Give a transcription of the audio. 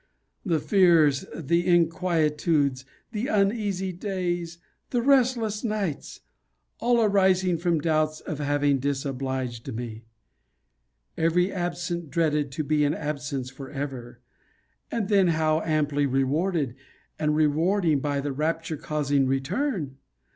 The fears, the inquietudes, the uneasy days, the restless nights; all arising from doubts of having disobliged me! Every absence dreaded to be an absence for ever! And then how amply rewarded, and rewarding, by the rapture causing return!